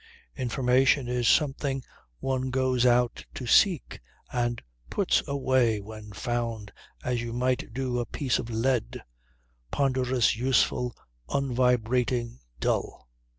Information is something one goes out to seek and puts away when found as you might do a piece of lead: ponderous, useful, unvibrating, dull.